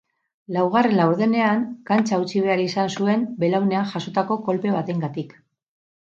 Laugarren laurdenean kantxa utzi behar izan zuen, belaunean jasotako kolpe batengatik.